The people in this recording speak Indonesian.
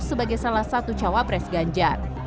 sebagai salah satu cawapres ganjar